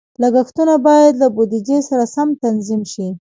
لګښتونه باید له بودیجې سره سم تنظیم شي.